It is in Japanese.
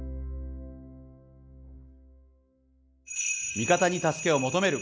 味方に助けを求める！